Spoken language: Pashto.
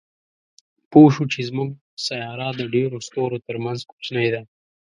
پوه شو چې زموږ سیاره د ډېرو ستورو تر منځ کوچنۍ ده.